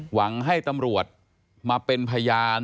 หวังให้ตำรวจมาเป็นพยาน